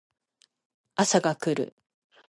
朝が来る